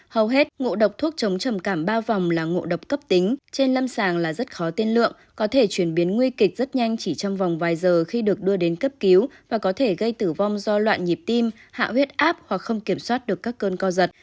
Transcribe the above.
hầu hết ngộ độc thuốc chống trầm cảm ba vòng là ngộ độc cấp tính trên lâm sàng là rất khó tiên lượng có thể chuyển biến nguy kịch rất nhanh chỉ trong vòng vài giờ khi được đưa đến cấp cứu và có thể gây tử vong do loạn nhịp tim hạ huyết áp hoặc không kiểm soát được các cơn co giật